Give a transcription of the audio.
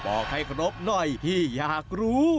บอกให้ครบหน่อยพี่อยากรู้